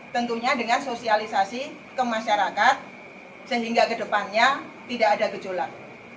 tentunya dengan sosialisasi ke masyarakat sehingga ke depannya tidak ada gejolak